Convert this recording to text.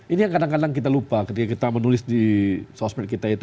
ini yang kadang kadang kita lupa ketika kita menulis di sosmed kita itu